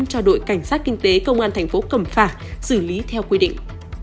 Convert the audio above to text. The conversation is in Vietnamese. cho đội cảnh sát kinh tế công an tp cẩm phà xử lý theo quy định